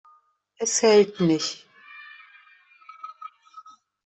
Es hält nicht.